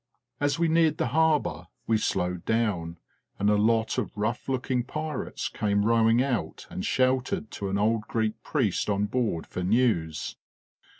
As we neared the har bour we slowed down, and a lot of rough looking pirates came rowing out and shouted to an old Greek priest on board for news.